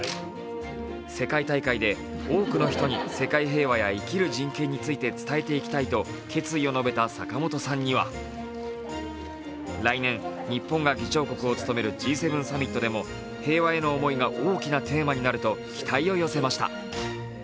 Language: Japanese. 世界大会で多くの人に世界平和や生きる人権について伝えていきたいと決意を述べた坂本さんには、来年、日本が議長国を務めるＧ７サミットでも平和への思いが大きなテーマになると期待を寄せました。